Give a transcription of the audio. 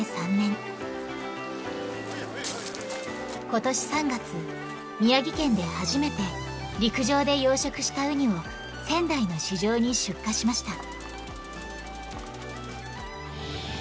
今年３月宮城県で初めて陸上で養殖したウニを仙台の市場に出荷しました。